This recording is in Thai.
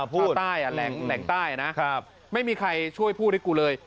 พูดแหลงใต้นะไม่มีใครช่วยพูดด้วยกูเลย